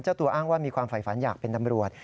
ตัวอ้างว่ามีความฝ่ายฝันอยากเป็นตำรวจ